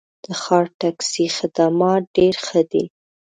د ښار ټکسي خدمات ډېر ښه دي.